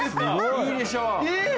・いいでしょ・えっ！